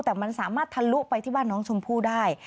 แต่มันสามารถทะลุไปที่บ้านน้องชมพู่ได้